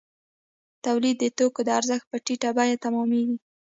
تولید د توکو د ارزښت په ټیټه بیه تمامېږي